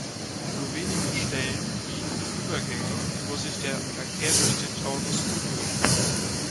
Nur wenige Stellen bieten Übergänge, wo sich der Verkehr durch den Taunus bündelt.